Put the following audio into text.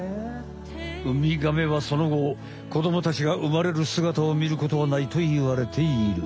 ウミガメはそのご子どもたちが産まれるすがたを見ることはないといわれている。